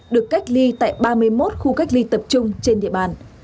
được cách ly tại ba mươi một khu cách ly tập trung trên địa bàn